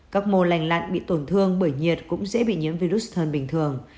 các mô lành lặn bị tổn thương bởi nhiệt cũng dễ bị nhiễm virus hơn bình thường